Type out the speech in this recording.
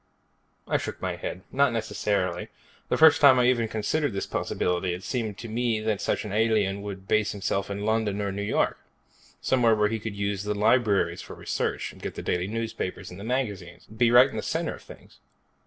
I shook my head. "Not necessarily. The first time I ever considered this possibility, it seemed to me that such an alien would base himself in London or New York. Somewhere where he could use the libraries for research, get the daily newspapers and the magazines. Be right in the center of things.